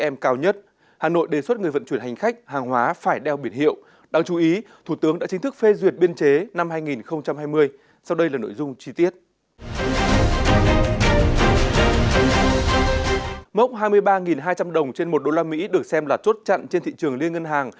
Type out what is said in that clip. mốc hai mươi ba hai trăm linh đồng trên một đô la mỹ được xem là chốt chặn trên thị trường liên ngân hàng